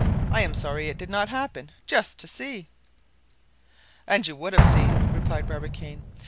I am sorry it did not happen, 'just to see.'" "And you would have seen," replied Barbicane.